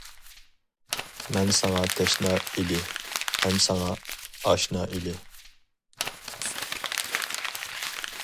مەن ساڭا تەشنا ئىلى، ھەم ساڭا ئاشنا ئىلى.